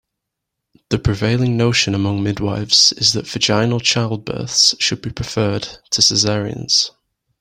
The prevailing notion among midwifes is that vaginal childbirths should be preferred to cesareans.